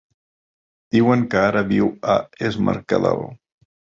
Diuen que ara viu a Es Mercadal.